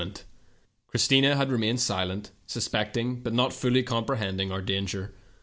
Christina had remained silent, suspecting, but not fully comprehending our danger.